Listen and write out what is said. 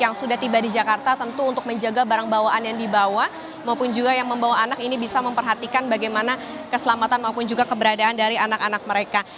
yang sudah tiba di jakarta tentu untuk menjaga barang bawaan yang dibawa maupun juga yang membawa anak ini bisa memperhatikan bagaimana keselamatan maupun juga keberadaan dari anak anak mereka